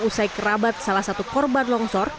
usai kerabat salah satu korban longsor